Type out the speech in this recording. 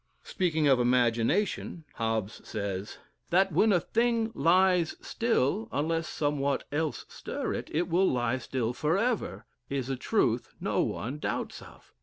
Speaking of "Imagination," Hobbes says, "That when a thing lies still, unless somewhat else stir it, it will lie still forever, is a truth no one doubts of.